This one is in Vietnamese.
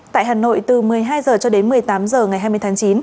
tại hà nội từ một mươi hai h cho đến một mươi tám h ngày hai mươi tháng chín